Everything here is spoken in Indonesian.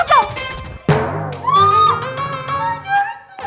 aduh kesel ya